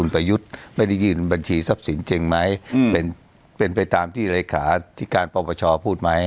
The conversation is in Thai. ประยุทธ์ไม่ได้ยื่นบัญชีทรัพย์สินจริงไหมเป็นไปตามที่เลขาธิการปปชพูดไหม